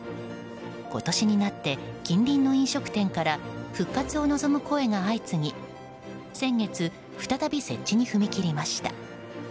今年になって、近隣の飲食店から復活を望む声が相次ぎ先月、再び設置に踏み切りました。